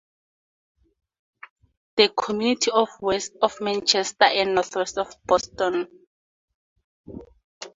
The community is west of Manchester and northwest of Boston.